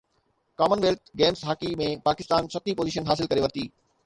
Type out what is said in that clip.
ڪمن wealth Games hockey ۾ Pakistan ستين position حاصل ڪري ورتي